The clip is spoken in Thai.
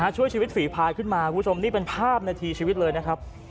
ช่วยชีวิตฝีพายขึ้นมาคุณผู้ชมนี่เป็นภาพนาทีชีวิตเลยนะครับ